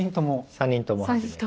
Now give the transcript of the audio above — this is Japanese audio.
３人とも初めて。